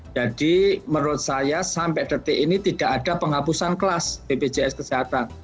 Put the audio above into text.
jadi menurut saya sampai detik ini tidak ada penghapusan kelas bpjs kesehatan